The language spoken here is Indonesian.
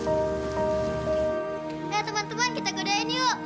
ayo teman teman kita gedein yuk